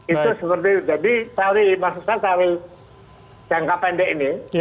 itu seperti jadi saya akan menganggap pendek ini